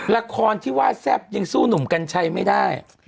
ละครที่ว่าแซ่บยังสู้หนุ่มกัญชัยไม่ได้